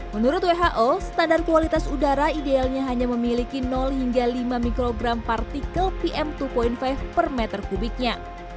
menurut who standar kualitas udara idealnya hanya memiliki hingga lima mikrogram partikel pm dua lima per meter kubiknya